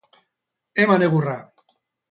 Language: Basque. Eman egurra!